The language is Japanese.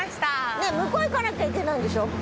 ねぇ向こう行かなきゃいけないんでしょ？